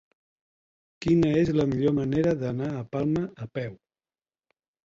Quina és la millor manera d'anar a Palma a peu?